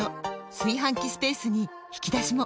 炊飯器スペースに引き出しも！